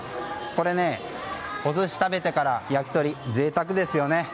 これ、お寿司食べてから焼き鳥贅沢ですよね。